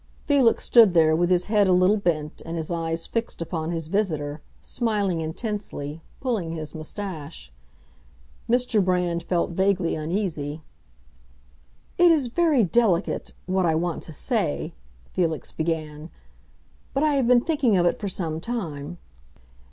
Felix stood there, with his head a little bent and his eyes fixed upon his visitor, smiling intensely, pulling his moustache. Mr. Brand felt vaguely uneasy. "It is very delicate—what I want to say," Felix began. "But I have been thinking of it for some time."